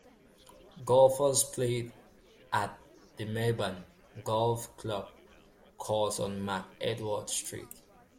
Golfers play at the Merbein Golf Club course on McEdward Street.